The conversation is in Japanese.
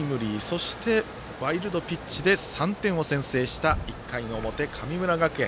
そして、ワイルドピッチで３点を先制した１回の表、神村学園。